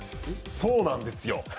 そうなんですよ。